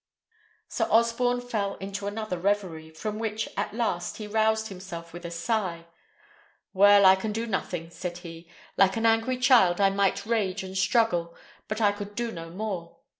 Sir Osborne fell into another reverie, from which, at last, he roused himself with a sigh. "Well, I can do nothing," said he; "like an angry child I might rage and struggle, but I could do no more.